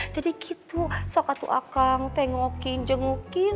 jadi gitu sokatu akang tengokin jengukin